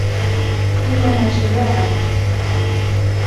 إنها شجاعة.